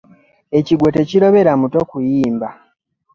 Ekigwo tekirobera muto kuyimba .